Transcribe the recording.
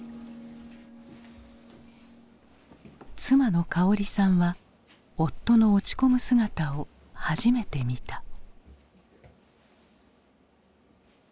妻の歌織さんは夫の落ち込む姿を初めて見た。